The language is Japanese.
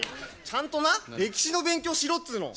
ちゃんとな歴史の勉強しろっつうの。